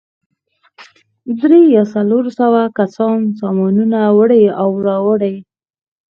درې یا څلور سوه کسان سامانونه وړي او راوړي.